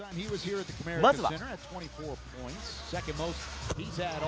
まずは。